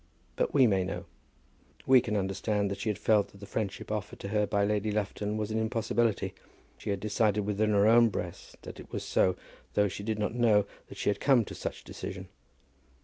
But we may know. We can understand that she had felt that the friendship offered to her by Lady Lufton was an impossibility. She had decided within her own breast that it was so, though she did not know that she had come to such decision.